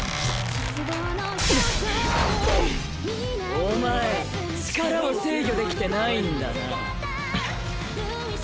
お前力を制御できてないんだな？